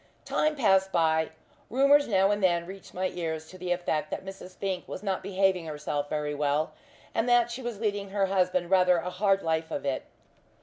Time passed by. Rumours now and then reached my ears to the effect that Mrs. Fink was not behaving herself very well, and that she was leading her husband rather a hard life of it.